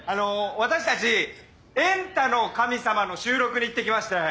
私たち『エンタの神様』の収録に行ってきまして！